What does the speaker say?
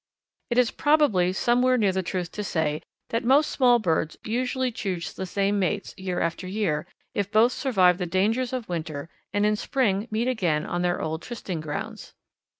It is probably somewhere near the truth to say that most small birds usually choose the same mates year after year if both survive the dangers of winter and in spring meet again on their old trysting grounds.